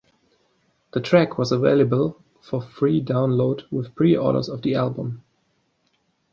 The track was available for free download with pre-orders of the album.